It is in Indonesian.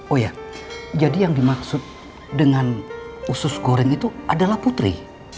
oh ya jadi yang dimaksud dengan usus goreng itu adalah putri